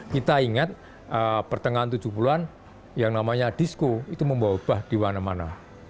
kita ingat pertengahan tujuh puluh an yang namanya disco itu membawa bah di mana mana